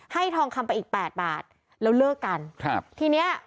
ทองคำไปอีกแปดบาทแล้วเลิกกันครับทีเนี้ย